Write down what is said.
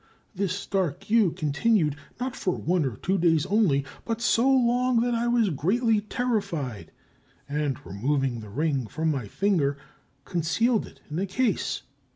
This dark hue continued not for one or two days only, but so long that I was greatly terrified, and, removing the ring from my finger, concealed it in a case.